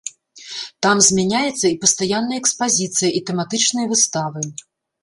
Там змяняецца і пастаянная экспазіцыя, і тэматычныя выставы.